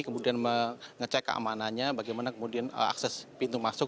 kemudian mengecek keamanannya bagaimana kemudian akses pintu masuk